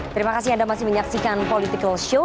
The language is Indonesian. terima kasih anda masih menyaksikan political show